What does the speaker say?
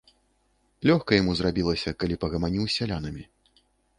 Лёгка яму зрабілася, калі пагаманіў з сялянамі.